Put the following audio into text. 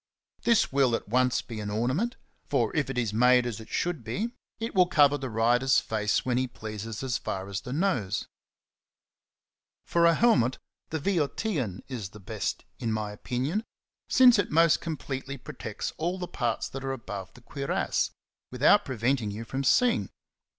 ^° This will at once be an ornament ; and if it is made as it should be, it will cover the 5 66 XENOPHON ON HORSEMANSHIP. rider's face when he pleases as far as the nose. For a helmet the Boeotian ^' is the best, in my opinion, since it most completely protects all the parts that are above the cuirass, without preventing you from seeing.